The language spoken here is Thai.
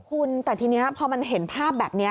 คุณแต่ทีนี้พอมันเห็นภาพแบบนี้